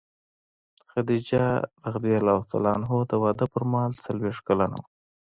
خدیجه رض د واده پر مهال څلوېښت کلنه وه.